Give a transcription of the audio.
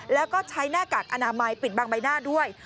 แล้วก็ใช้หน้ากากอนามัยปิดบางใบหน้าด้วย